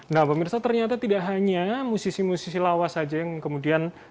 nah pemirsa ternyata tidak hanya musisi musisi lawas saja yang kemudian